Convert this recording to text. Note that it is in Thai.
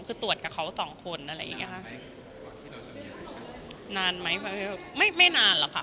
คือตรวจกับเขาสองคนอะไรอย่างเงี้ค่ะนานไหมไม่ไม่นานหรอกค่ะ